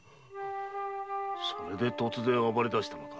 それで突然暴れだしたのか。